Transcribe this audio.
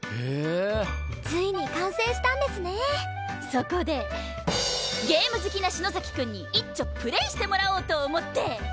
そこでゲーム好きな篠崎くんにいっちょプレーしてもらおうと思って！